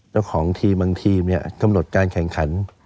เจ้าของทีมบางทีมเนี้ยกำหนดการแข่งขัน